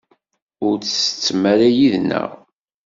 Ur tsettem ara yid-nneɣ?